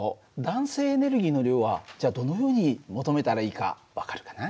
弾性エネルギーの量はじゃあどのように求めたらいいか分かるかな？